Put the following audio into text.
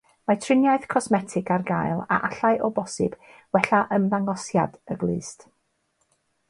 Mae triniaethau cosmetig ar gael a allai o bosib wella ymddangosiad y glust.